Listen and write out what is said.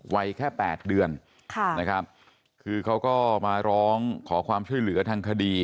วัยแค่๘เดือนค่ะนะครับคือเขาก็มาร้องขอความช่วยเหลือทางคดี